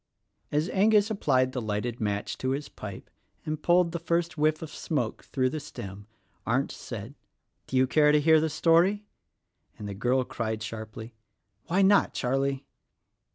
As Angus applied the lighted match to his pipe and pulled the first whiff of smoke through the stem Arndt said, "Do you care to hear the story?" and the girl cried sharply, "Why not, Charlie?"